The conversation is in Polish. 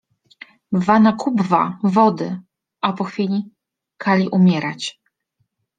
— Bwana Kubwa, wody! A po chwili: — Kali umierać.